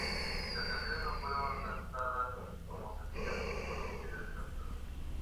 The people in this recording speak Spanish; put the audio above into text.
Las canciones no fueron lanzadas como sencillos como los anteriores capítulos.